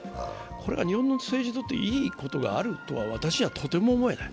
これが日本の政治にとっていいことがあるとは私にはとても思えない。